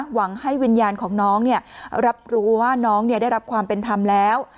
หวังให้วิญญาณของน้องรับรู้ว่าน้องได้รับความเป็นธรรมแล้ว